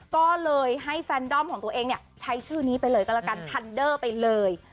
ก็เลยให้แฟนดอมของตัวเองเนี่ยใช้ชื่อนี้ไปเลยก็แล้วกันทันเดอร์ไปเลย